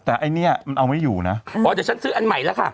แต่อันนี้มันเอาไว้อยู่นะอ๋อแต่ฉันซื้ออันใหม่แล้วค่ะ